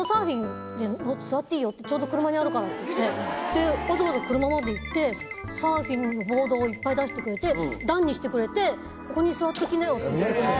「ちょうど車にあるから」って言ってわざわざ車まで行ってサーフィンのボードをいっぱい出してくれて段にしてくれて「ここに座っときなよ」って。